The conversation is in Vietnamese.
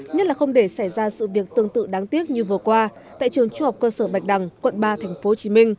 nhất là không để xảy ra sự việc tương tự đáng tiếc như vừa qua tại trường trung học cơ sở bạch đằng quận ba tp hcm